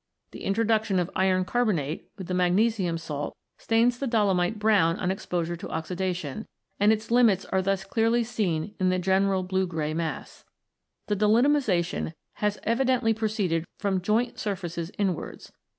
The introduction of iron carbonate with the magnesium salt stains the dolomite brown on exposure to oxidation, and its limits are thus clearly seen in the general blue grey mass. The dolomitisation has evidently proceeded from joint surfaces inwards.